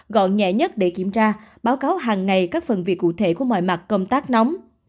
gọn nhẹ nhất để kiểm tra báo cáo hàng ngày các phần việc cụ thể của mọi mặt công tác nóng